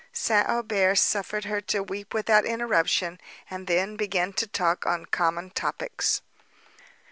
St. Aubert suffered her to weep without interruption, and then began to talk on common topics.